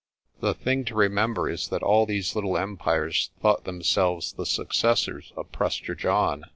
"The thing to remember is that all these little empires thought themselves the successors of Prester John.